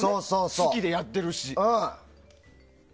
好きでやってるし。